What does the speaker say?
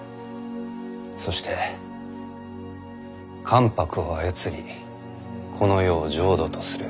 そして関白を操りこの世を浄土とする。